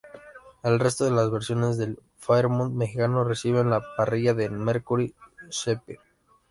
El resto de las versiones del Fairmont mexicano reciben la parrilla del Mercury Zephyr.